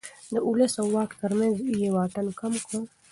د ولس او واک ترمنځ يې واټن کم کړ.